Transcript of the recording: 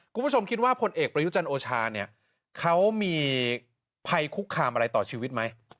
คุณผู้ชมคิดว่าผลเอกประยุชน์โอชาเขามีไพคุกคามอะไรต่อชีวิตไหม